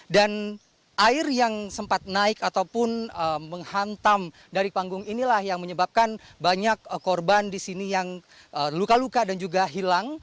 dan air yang sempat naik ataupun menghantam dari panggung inilah yang menyebabkan banyak korban di sini yang luka luka dan juga hilang